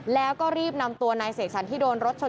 แล้วก็รีบนำตัวนายเสกสรรที่โดนรถชน